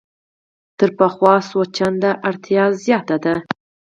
تر پخوا څو چنده اړتیا زیاته ده.